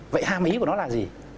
vậy hàm ý của nó là gì